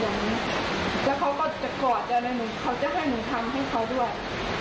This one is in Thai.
แบบนี้แล้วเขาก็จะกอดใจในหนูเขาจะให้หนูทำให้เขาด้วย